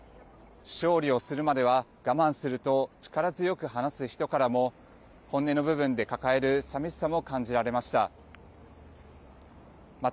勝利をするまでは我慢すると力強く話す人からも本音の部分で抱える寂しさも感じられました。